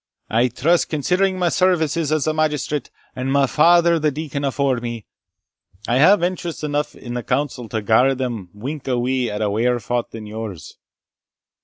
I trust, considering my services as a magistrate, and my father the deacon's afore me, I hae interest eneugh in the council to gar them wink a wee at a waur faut than yours.